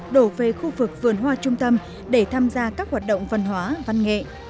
đổ về khu vực vườn hoa trung tâm để tham gia các hoạt động văn hóa văn nghệ